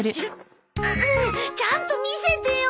ちゃんと見せてよ。